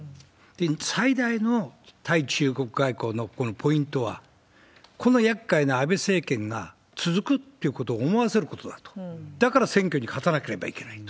最大の対中国外交のこのポイントは、このやっかいな安倍政権が続くっていうことを思わせることだと、だから選挙に勝たなければいけないと。